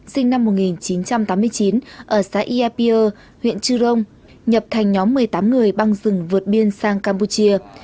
sinh năm một nghìn chín trăm tám mươi chín ở xã yà piơ huyện trư rông nhập thành nhóm một mươi tám người băng rừng vượt biên sang campuchia